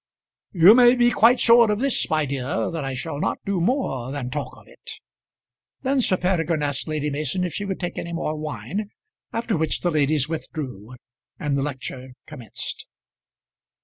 "You may be quite sure of this, my dear that I shall not do more than talk of it." Then Sir Peregrine asked Lady Mason if she would take any more wine; after which the ladies withdrew, and the lecture commenced.